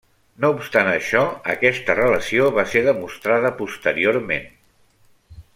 No obstant això, aquesta relació va ser demostrada posteriorment.